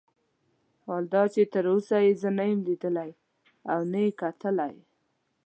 حال دا چې تر اوسه یې زه نه لیدلی یم او نه یې کتلی.